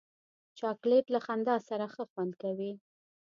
چاکلېټ له خندا سره ښه خوند کوي.